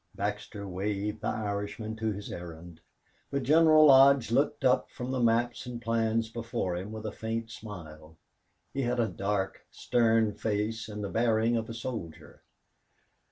Baxter waved the Irishman to his errand, but General Lodge looked up from the maps and plans before him with a faint smile. He had a dark, stern face and the bearing of a soldier.